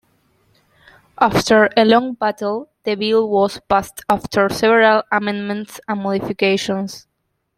After a long battle, the bill was passed after several amendments and modifications.